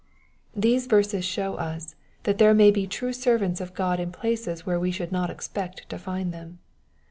These verses show us, that there may be true servants of God in places where toe shovld not expect to find them.